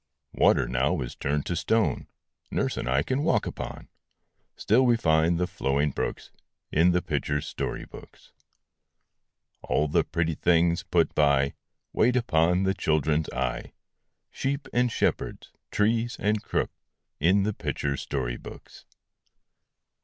Water now is turned to stone Nurse and I can walk upon; Still we find the flowing brooks In the picture story books. All the pretty things put by, Wait upon the children's eye, Sheep and shepherds, trees and crooks, In the picture story books.